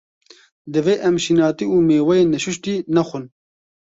Divê em şînatî û mêweyên neşuştî, nexwin.